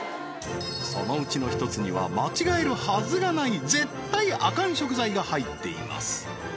そのうちの１つには間違えるはずがない絶対アカン食材が入っています